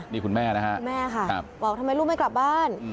นี่คุณแม่นะฮะครับบอกทำไมลูกไม่กลับบ้าน